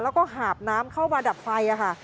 แล้วก็หาบน้ำเข้ามาดับไฟค่ะ